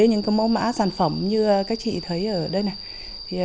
những mẫu mã sản phẩm như các chị thấy ở đây này